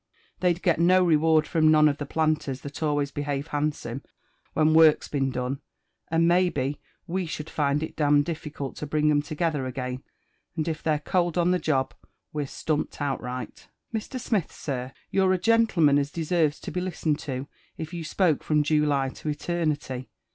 They'd gel no reward from none of the planters that always behave handsome when work's been done; and, maybe, we should find it d — r'— n difficult to bring 'em together again; and if they're cold on the job, we're stumpt outright." *' Mr. Smith, sir, you're a gentleman as deserves to' be listened to, if you spoke from July to eternity.